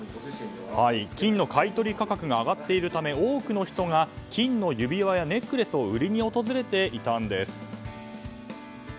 金の買い取り価格が上がっているため多くの人が金の指輪やネックレスを売りに訪れていたんです。